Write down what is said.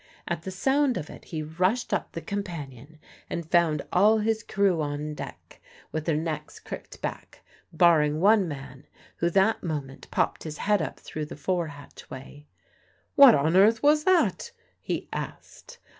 At the sound of it he rushed up the companion, and found all his crew on deck with their necks cricked back, barring one man, who that moment popped his head up through the fore hatchway. "What on earth was that?" he asked.